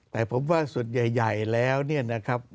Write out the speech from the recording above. แต่ผมว่าส่วนใหญ่แล้วเนี่ยนะครับ